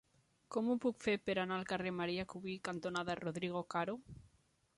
Com ho puc fer per anar al carrer Marià Cubí cantonada Rodrigo Caro?